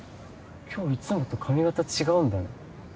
今日いつもと髪形違うんだね